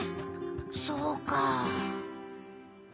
そうか。